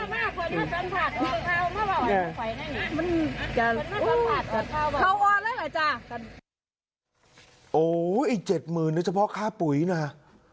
มันจะอู้อ๋อไอ้เจ็ดหมื่นนี่เฉพาะค่าปุ๋ยน่ะฮะ